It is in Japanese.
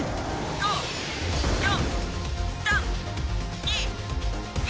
５４３２１。